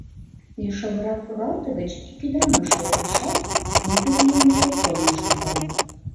Лишылрак оралте гыч ик ӱдырамаш ойырлышат, кум пӧръеҥ деке толын шогале.